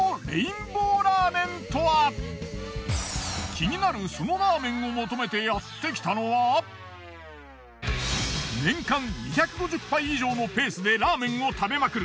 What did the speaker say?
気になるそのラーメンを求めてやってきたのは年間２５０杯以上のペースでラーメンを食べまくる